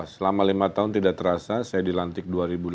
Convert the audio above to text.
selama lima tahun tidak terasa saya dilantik dua ribu delapan belas